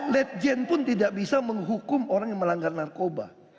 ledjen pun tidak bisa menghukum orang yang melanggar narkoba